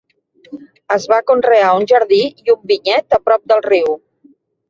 Es va conrear un jardí i un vinyet a prop del riu.